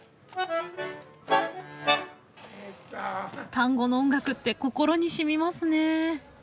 タンゴの音楽って心にしみますね。